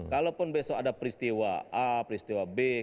kalaupun besok ada peristiwa a peristiwa b